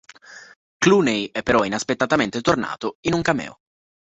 Clooney è però inaspettatamente tornato in un cameo.